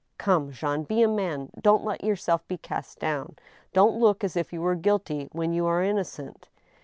" Come, Jean, be a man ! Don't let yourself be cast down — don't look as if you were guilty, when you are innocent."